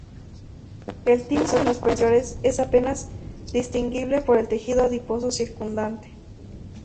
El timo de las personas mayores es apenas distinguible por el tejido adiposo circundante.